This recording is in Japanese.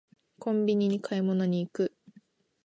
コンビニに買い物に行く